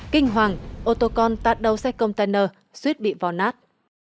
kinh hoàng ô tô con tạt đầu xe container suýt bị vò nát